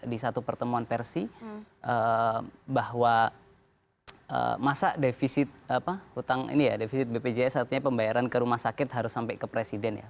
di satu pertemuan versi bahwa masa defisit ini ya defisit bpjs artinya pembayaran ke rumah sakit harus sampai ke presiden ya